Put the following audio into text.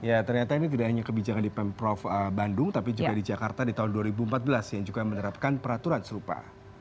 ya ternyata ini tidak hanya kebijakan di pemprov bandung tapi juga di jakarta di tahun dua ribu empat belas yang juga menerapkan peraturan serupa